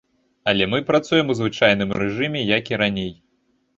Але мы працуем у звычайным рэжыме, як і раней.